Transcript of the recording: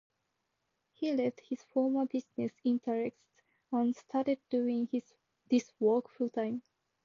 He left his former business interests and started doing this work full-time.